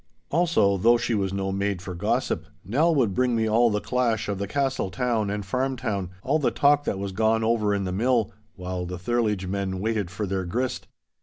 Also, though she was no maid for gossip, Nell would bring me all the clash of the castle town and farm town, all the talk that was gone over in the mill, while the thirlage men waited for their grist.